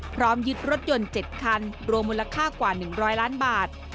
พร้อมยึดรถยนต์๗คันรวมมูลค่ากว่า๑๐๐ล้านบาท